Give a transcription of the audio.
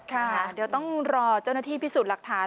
ค่ะเดี๋ยวต้องรอเจ้าหน้าที่พิสูจน์หลักฐาน